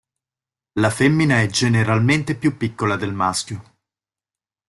La femmina è generalmente più piccola del maschio.